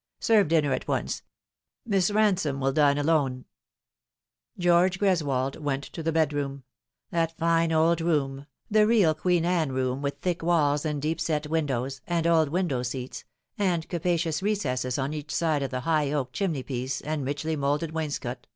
Serve dinner at once. Miss Ransome will dine alone." George Greswold went to the bedroom that fine old room, the real Queen Anne room, with thick walls and deep set windows, and old window seats, and capacious recesses on each aide of the high oak chimneypiece, and richly moulded wainscot, A Wife and no Wife.